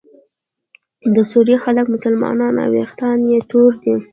د سوریې خلک مسلمانان او ویښتان یې تور دي.